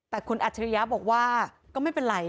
แต่คุณอัจฉริยะบอกว่าก็ไม่เป็นไร